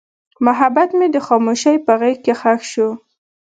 محبت مې د خاموشۍ په غېږ کې ښخ شو.